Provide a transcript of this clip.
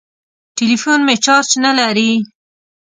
ټليفون مې چارچ نه لري.